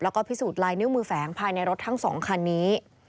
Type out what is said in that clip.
แล้วก็พิสูจน์ลายนิ้วมือแฝงภายในรถทั้ง๒คันนี้